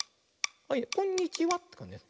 はいこんにちは。